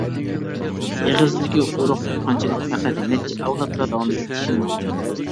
ئېغىزدىكى ئۇرۇق-تۇغقانچىلىق پەقەت نەچچە ئەۋلادلا داۋام ئېتىشى مۇمكىن.